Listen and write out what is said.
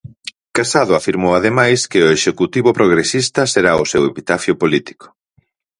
Casado afirmou ademais que o Executivo progresista "será o seu epitafio político".